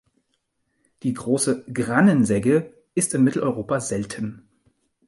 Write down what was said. Die Große Grannen-Segge ist in Mitteleuropa selten.